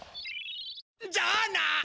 じゃあな！